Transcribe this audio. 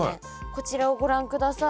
こちらをご覧ください。